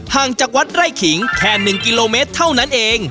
จากวัดไร่ขิงแค่๑กิโลเมตรเท่านั้นเอง